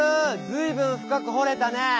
ずいぶん深くほれたね！